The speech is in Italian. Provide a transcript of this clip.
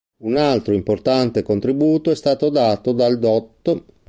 Un altro importante contributo è stato dato dal Dott.